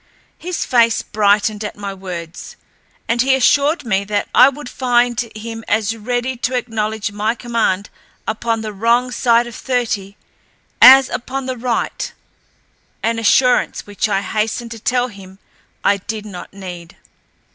His face brightened at my words, and he assured me that I would find him as ready to acknowledge my command upon the wrong side of thirty as upon the right, an assurance which I hastened to tell him I did not need.